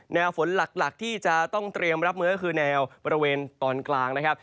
แนวฝนหลักที่จะต้องเตรียมรับมือก็คือแนวบริเวณตอนกลางนะครับ